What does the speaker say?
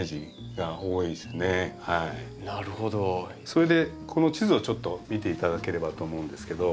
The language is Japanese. それでこの地図をちょっと見て頂ければと思うんですけど。